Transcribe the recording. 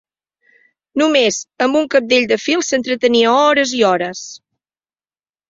No més amb un cabdell de fil s'entretenia hores i hores